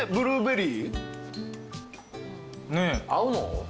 合うの？